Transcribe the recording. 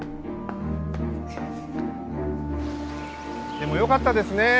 でもよかったですね。